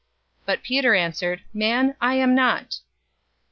But Peter answered, "Man, I am not!"